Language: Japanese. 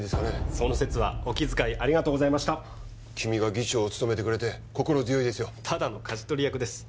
その節はお気遣いありがとうございました君が議長を務めてくれて心強いですよただの舵取り役です